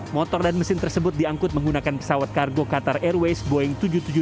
motor dan mesin tersebut diangkut menggunakan pesawat kargo qatar airways boeing tujuh ratus tujuh puluh dua